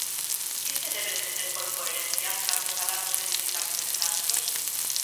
Que se debe entender por "coherencia" cando falamos de visitantes e castros?